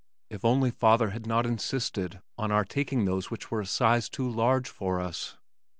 If only father had not insisted on our taking those which were a size too large for us!